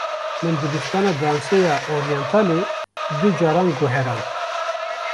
Min dibistana dansê ya oryentalê du caran guherand.